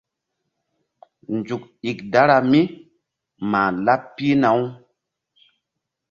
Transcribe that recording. Nzuk ík dara mí mah laɓ pihna-u.